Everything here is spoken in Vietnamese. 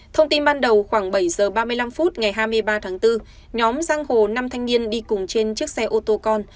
thông tin ban đầu khoảng bảy h ba mươi năm phút ngày hai mươi ba tháng bốn nhóm giang hồ năm thanh niên đi cùng trên chiếc xe ô tô con